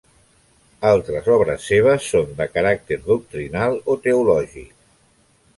Altres obres seves són de caràcter doctrinal o teològic.